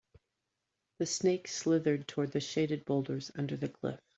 The snake slithered toward the shaded boulders under the cliff.